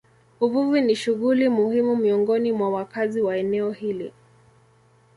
Uvuvi ni shughuli muhimu miongoni mwa wakazi wa eneo hili.